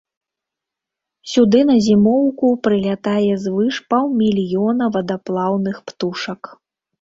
Сюды на зімоўку прылятае звыш паўмільёна вадаплаўных птушак.